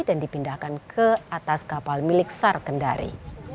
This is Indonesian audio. dan dipindahkan ke atas kapal milik sar kendari